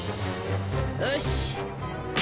よし。